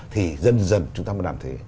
thì dần dần chúng ta mới làm thế